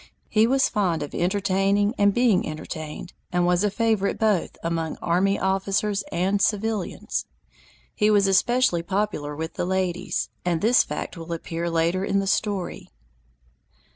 He was fond of entertaining and being entertained and was a favorite both among army officers and civilians. He was especially popular with the ladies, and this fact will appear later in the story.